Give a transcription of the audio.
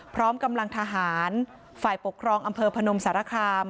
พร้อมกำลังทหารฝ่ายปกครองอำเภอพนมสารคาม